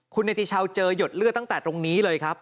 คุณเนติชาวเจอหยดเลือดตั้งแต่ตรงนี้เลยครับ